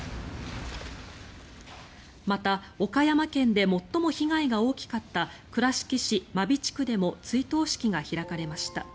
また岡山県で最も被害が大きかった倉敷市真備地区でも追悼式が開かれました。